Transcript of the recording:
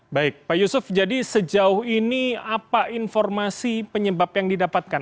baik pak yusuf jadi sejauh ini apa informasi penyebab yang didapatkan